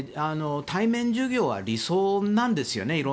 対面授業は理想なんですよね。